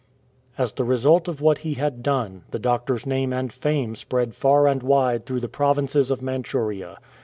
As the result of what he had done, the doctor's name and fame spread far and wide through the provinces of Manchuria.